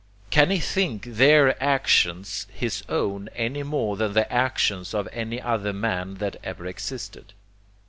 Can he think their actions his own any more than the actions of any other man that ever existed?